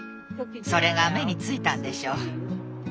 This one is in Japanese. それが目についたんでしょう。